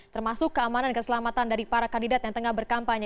termasuk keamanan dan keselamatan dari para kandidat yang tengah berkampanye